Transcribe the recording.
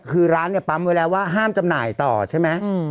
คือร้านเนี่ยปั๊มไว้แล้วว่าห้ามจำหน่ายต่อใช่ไหม